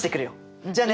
じゃあね。